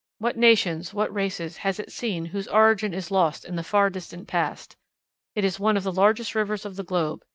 What nations, what races, has it seen whose origin is lost in the far distant past! It is one of the largest rivers of the globe.